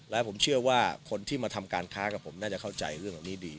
และผมเชื่อว่าคนที่มาทำการค้ากับผมน่าจะเข้าใจเรื่องเหล่านี้ดี